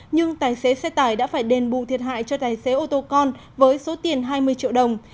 nhưng tài xế xe tải đã phải đền bù thiệt hại cho tài xế ô tô con với số tiền hai mươi triệu đồng